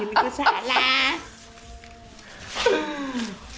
ini kok salah